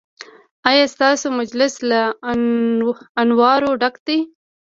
ایا ستاسو مجلس له انوارو ډک دی؟